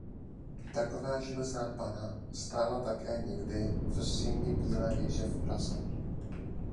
Taková železná panna stála také někdy v síni Bílé věže v Praze.